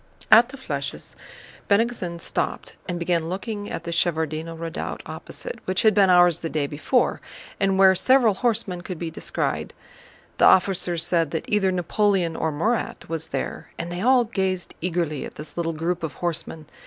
At the flèches Bennigsen stopped and began looking at the Shevárdino Redoubt opposite, which had been ours the day before and where several horsemen could be descried. The officers said that either Napoleon or Murat was there, and they all gazed eagerly at this little group of horsemen.